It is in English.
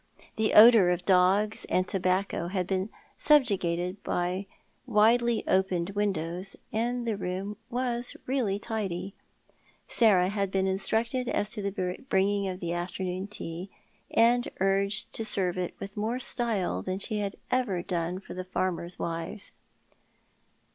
The odour of dogs and tobacco had been subjugated by widely opened windows, and the room was really tidy. Sarah had been instructed as to the bringing of afternoon tea, and urged to serve it with more style than she had ever done for the farmers' wives.